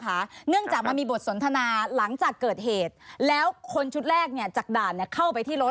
ก็เกิดการชมละมุนกันไม่รู้ใครเป็นใคร